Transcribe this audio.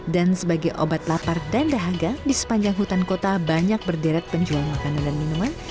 dan sebagai obat lapar dan dahaga di sepanjang hutan kota banyak berderet penjual makanan dan minuman